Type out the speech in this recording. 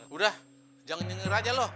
udah jangan nyengir aja lo